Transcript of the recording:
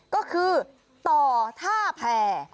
ก็คือต่อท่าแผ่